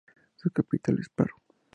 Su capital es Paro.